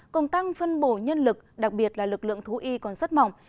cùng tăng phân bổ nhân lực đặc biệt là lực lượng thú y còn rất mỏng